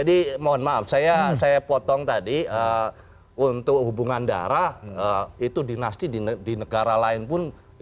didorong untuk maju